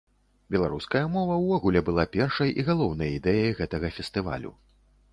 Беларуская мова ўвогуле была першай і галоўнай ідэяй гэтага фестывалю.